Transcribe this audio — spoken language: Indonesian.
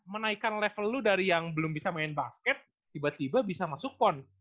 menaikkan level lu dari yang belum bisa main basket tiba tiba bisa masuk pon